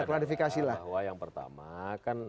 klarifikasi lah bahwa yang pertama kan